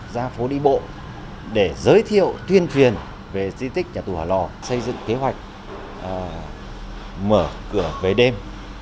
giới thiệu tuyên truyền về di tích nhà tù hỏa lò xây dựng kế hoạch mở cửa về đêm